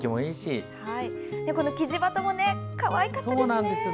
キジバトもかわいかったですね。